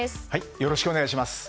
よろしくお願いします。